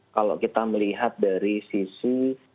kalau kita melihat dari sisi